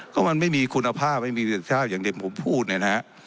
ก็มันไม่มีคุณภาพไม่มีเด็กชาติอย่างเด็กผมพูดเลยนะฮะ